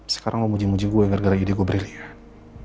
sekarang mau muji muji gue gara gara ide gue brillian